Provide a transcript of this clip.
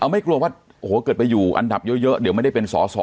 ไม่กลัวว่าโอ้โหเกิดไปอยู่อันดับเยอะเดี๋ยวไม่ได้เป็นสอสอ